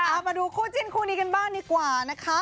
เอามาดูคู่จิ้นคู่นี้กันบ้างดีกว่านะคะ